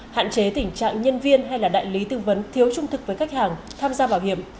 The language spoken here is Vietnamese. hạn chế tình trạng nhân viên hay là đại lý tư vấn thiếu trung thực với khách hàng tham gia bảo hiểm